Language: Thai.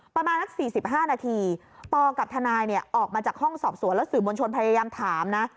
ประมาณนัก๔๕นาทีปกับทนายออกมาจากห้องสอบสวนแล้วสื่อมวลชนพยายามถามนะ